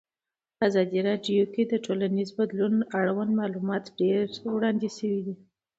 په ازادي راډیو کې د ټولنیز بدلون اړوند معلومات ډېر وړاندې شوي.